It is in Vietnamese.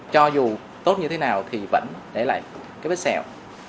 cho dù tốt như thế nào thì vẫn để lại cái vết sẹo